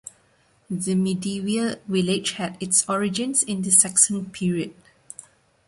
The medieval village had its origins in the Saxon period.